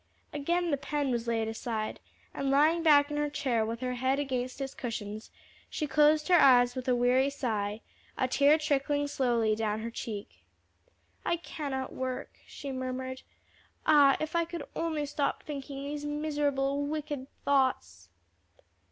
Again the pen was laid aside, and lying back in her chair with her head against its cushions, she closed her eyes with a weary sigh, a tear trickling slowly down her cheek. "I cannot work," she murmured. "Ah, if I could only stop thinking these miserable, wicked thoughts!"